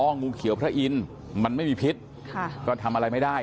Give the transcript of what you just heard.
งูเขียวพระอินทร์มันไม่มีพิษค่ะก็ทำอะไรไม่ได้